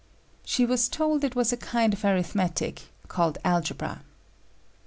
'" She was told it was a kind of arithmetic, called algebra.